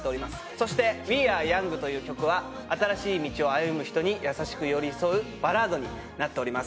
そして『Ｗｅａｒｅｙｏｕｎｇ』という曲は新しい道を歩む人に優しく寄り添うバラードになっております。